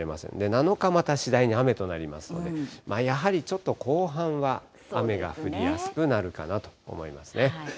７日もまた次第に雨となりますので、やはりちょっと後半は雨が降りやすくなるかなと思いますね。